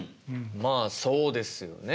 まあそうですよね。